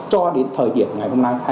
cho đến thời điểm ngày hôm nay